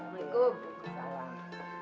jangan lupa subscribe channel ini ya